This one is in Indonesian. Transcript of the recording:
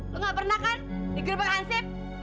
lo gak pernah kan dikerbank hansip